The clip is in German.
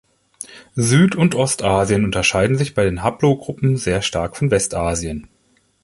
Süd- und Ostasien unterscheiden sich bei den Haplogruppen sehr stark von Westasien.